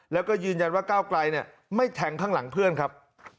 แล้วก็ยืนยันว่าก้าวไกลไม่แทงข้างหลังเพื่อนครับ